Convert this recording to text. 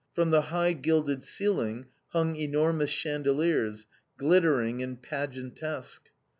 From the high gilded ceiling hung enormous chandeliers, glittering and pageantesque.